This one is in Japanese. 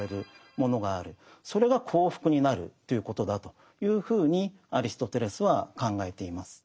それが幸福になるということだというふうにアリストテレスは考えています。